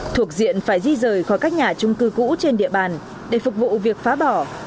thuộc diện phải di rời khỏi các nhà trung cư cũ trên địa bàn để phục vụ việc phá bỏ